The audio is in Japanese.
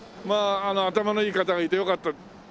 まあ頭のいい方がいてよかった。